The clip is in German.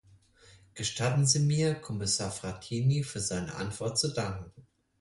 Gestatten Sie mir, Kommissar Frattini für seine Antwort zu danken.